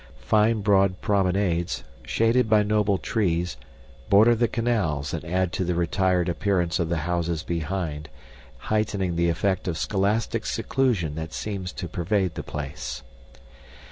Fine broad promenades, shaded by noble trees, border the canals and add to the retired appearance of the houses behind, heightening the effect of scholastic seclusion that seems to pervade the place.